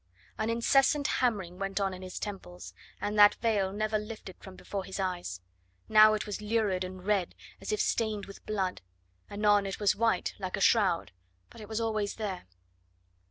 An incessant hammering went on in his temples, and that veil never lifted from before his eyes. Now it was lurid and red, as if stained with blood; anon it was white like a shroud but it was always there.